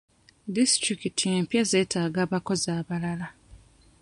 Disitulikiti empya zeetaaga abakozi abalala.